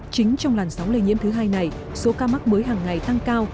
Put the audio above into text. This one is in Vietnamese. chính trong làn sóng lây nhiễm thứ hai này số ca mắc mới hàng ngày tăng cao